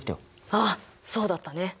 あっそうだったね。